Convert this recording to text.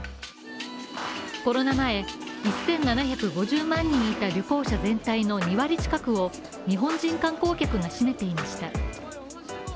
コロナ前、１７５０万人いた旅行者全体の２割近くを日本人観光客が占めていました。